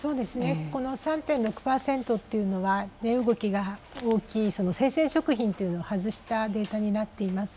この３．６％というのは値動きが大きい生鮮食品を外したデータになっています。